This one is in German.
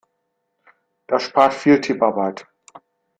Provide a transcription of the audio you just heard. Das spart viel Tipparbeit.